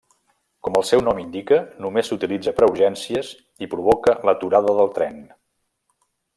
Com el seu nom indica, només s'utilitza per a urgències i provoca l'aturada del tren.